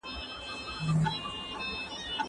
د تېرو کلونو په پرتله سږکال واورې ډېرې ورېدلې دي.